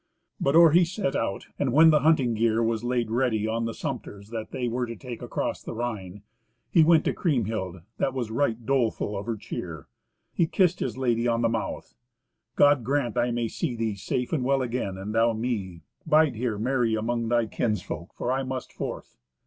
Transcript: But or he set out, and when the hunting gear was laid ready on the sumpters that they were to take across the Rhine, he went to Kriemhild, that was right doleful of her cheer. He kissed his lady on the mouth. "God grant I may see thee safe and well again, and thou me. Bide here merry among thy kinsfolk, for I must forth."